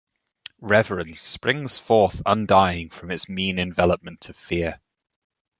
Reverence springs forth undying from its mean envelopment of fear.